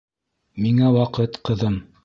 Миңә ваҡыт, ҡыҙым!